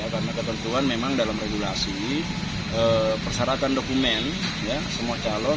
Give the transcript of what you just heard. karena ketentuan memang dalam regulasi persyaratan dokumen semua calon